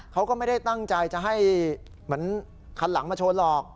เขาก็ไม่ได้ตั้งใจจะให้เหมือนคันหลังมาชนหรอก